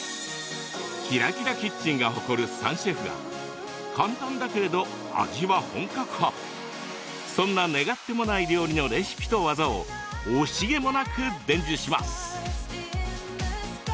「ＫｉｒａＫｉｒａキッチン」が誇る３シェフが簡単だけれど味は本格派そんな願ってもない料理のレシピと技を惜しげもなく伝授します。